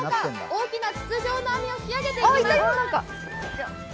大きな筒状の網を引き揚げていきます。